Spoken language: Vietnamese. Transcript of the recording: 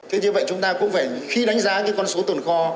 thế như vậy chúng ta cũng phải khi đánh giá cái con số tồn kho